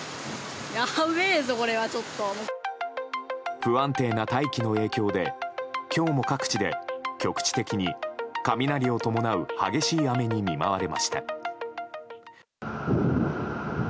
不安定な大気の影響で今日も各地で局地的に雷を伴う激しい雨に見舞われました。